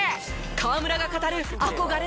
河村が語る憧れの先輩。